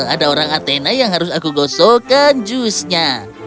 ada orang athena yang harus aku gosokkan jusnya